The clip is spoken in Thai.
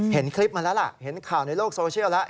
เห็นคลิปมาแล้วล่ะเห็นข่าวในโลกโซเชียลแล้ว